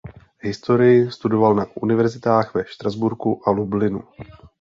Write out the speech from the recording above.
Historii studoval na univerzitách ve Štrasburku a Lublinu.